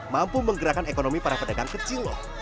mampu menggerakkan ekonomi para pedagang kecil lho